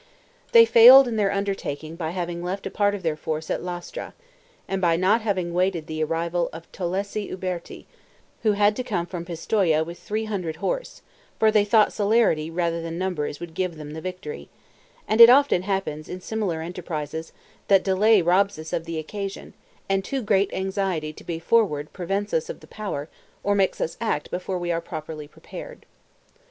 They failed in their undertaking by having left part of their force at Lastra, and by not having waited the arrival of Tolosetto Uberti, who had to come from Pistoia with three hundred horse; for they thought celerity rather than numbers would give them the victory; and it often happens, in similar enterprises, that delay robs us of the occasion, and too great anxiety to be forward prevents us of the power, or makes us act before we are properly prepared.